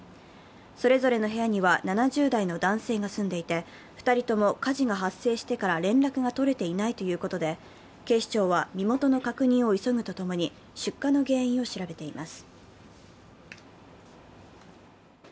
それぞれの部屋には７０代の男性が住んでいて、２人とも火事が発生してから連絡が取れていないということで警視庁は身元の確認を急ぐと共に、出火の原因を調べています。